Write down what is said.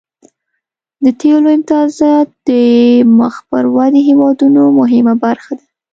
د تیلو امتیازات د مخ پر ودې هیوادونو مهمه برخه ده